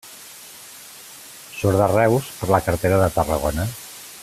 Surt de Reus per la carretera de Tarragona.